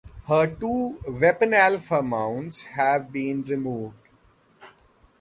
Her two "Weapon Alfa" mounts had been removed.